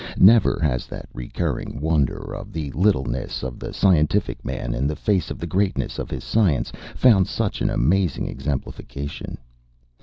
Never has that recurring wonder of the littleness of the scientific man in the face of the greatness of his science found such an amazing exemplification.